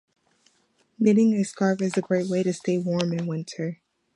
Knitting a scarf is a great way to stay warm in winter.